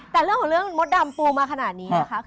แต่เรื่องของเรื่องมดดำปูมาขนาดนี้นะคะ